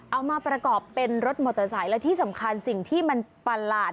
เอามาประกอบเป็นรถมอเตอร์ไซค์และที่สำคัญสิ่งที่มันประหลาด